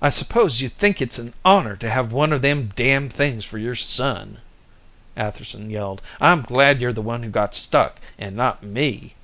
"I suppose you think it's an honor to have one of them damn things for your son," Atherson yelled. "I'm glad you're the one who got stuck, and not me."